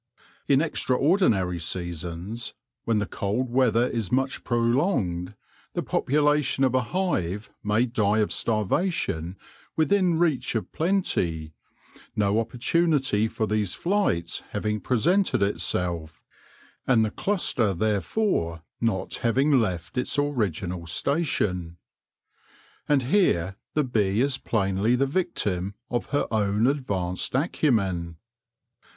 In extraordinary seasons, when the cold weather is much prolonged, the population of a hive may die of starvation within reach of plenty, no opportunity for these flights having presented itself, and the cluster therefore not having left its original station. And here the bee is plainly the victim of her own advanced acumen.